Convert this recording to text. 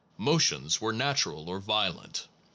Motions were natural or violent.